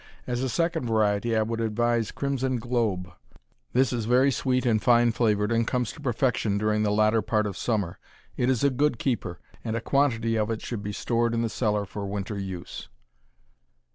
As a second variety I would advise Crimson Globe. This is very sweet and fine flavored, and comes to perfection during the latter part of summer. It is a good keeper, and a quantity of it should be stored in the cellar for winter use.